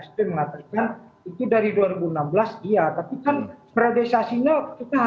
saya voility ingin memberi konten pertebangan